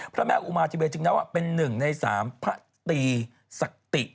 พระแม่อุมาทิเบศจึงแนะว่าเป็นหนึ่งในสามพระตีศักดิ์